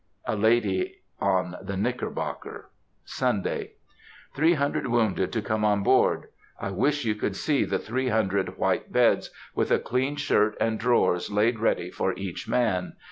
(A lady on the Knickerbocker.) Sunday.—"Three hundred wounded to come on board!" I wish you could see the three hundred white beds, with a clean shirt and drawers laid ready for each man....